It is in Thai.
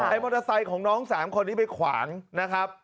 มอเตอร์ไซค์ของน้อง๓คนนี้ไปขวางนะครับ